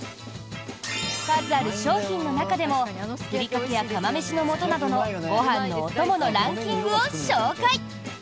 数ある商品の中でもふりかけや「釜めしの素」などのご飯のお供のランキングを紹介！